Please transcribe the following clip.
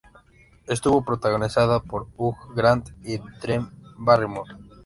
Estuvo protagonizada por Hugh Grant y Drew Barrymore.